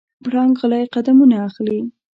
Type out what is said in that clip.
پړانګ غلی قدمونه اخلي.